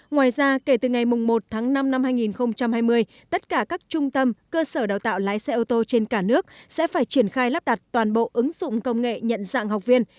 ngoài ra kể từ ngày một tháng năm năm hai nghìn hai mươi tất cả các trung tâm cơ sở đào tạo lái xe ô tô trên cả nước sẽ phải triển khai lắp đặt toàn bộ ứng dụng công nghệ nhận dạng học viên